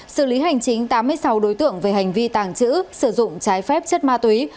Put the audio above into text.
xử lý hành chính tám mươi sáu đối tượng về hành vi tàng trữ sử dụng trái phép chất ma túy